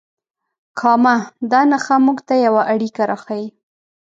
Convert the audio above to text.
کامه دا نښه موږ ته یوه اړیکه راښیي.